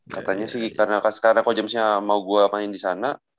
katanya sih karena coach jamesnya mau gua main disana